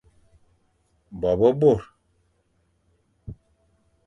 Bo be bôr, des hommes petits, ou peu.